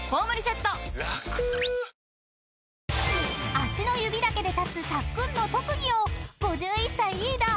［足の指だけで立つタックンの特技を５１歳リーダー